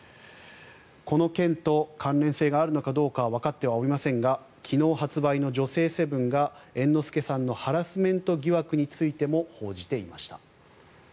この件と関連性があるのかどうかはわかっておりませんが昨日発売の「女性セブン」が猿之助さんのハラスメント疑惑についても報じていました。